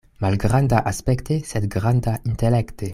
Malgranda aspekte, sed granda intelekte.